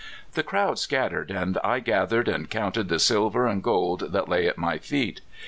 The crowd scattered, and I gathered and c unted the silver and gold that lay at my feet.